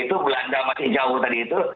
itu belanda masih jauh tadi itu